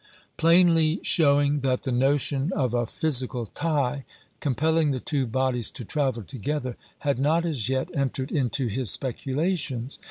Plainly showing that the notion of a physical tie, compelling the two bodies to travel together, had not as yet entered into his speculations.